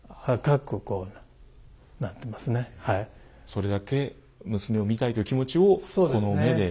それだけ娘を見たいという気持ちをこの目で。